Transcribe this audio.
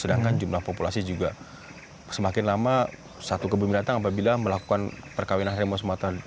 sedangkan jumlah populasi juga semakin lama satu kebun binatang apabila melakukan perkawinan harimau sumatera